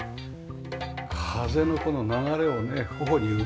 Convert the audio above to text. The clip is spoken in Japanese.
風のこの流れをね頬に受けて。